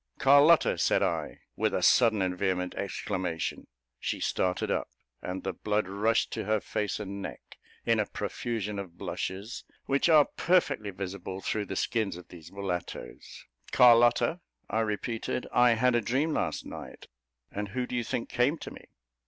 "Carlotta," said I, with a sudden and vehement exclamation. She started up, and the blood rushed to her face and neck, in a profusion of blushes, which are perfectly visible through the skins of these mulattos. "Carlotta," I repeated, "I had a dream last night, and who do you think came to me?